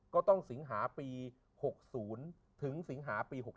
ก็ต้องสิงหาปี๖๐ถึงสิงหาปี๖๖